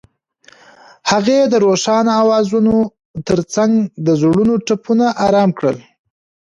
هغې د روښانه اوازونو ترڅنګ د زړونو ټپونه آرام کړل.